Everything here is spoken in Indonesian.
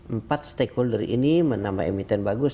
empat stakeholder ini menambah emiten bagus